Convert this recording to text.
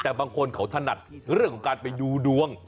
แต่บางคนเขาถนัดเรื่องของการไปดูดวง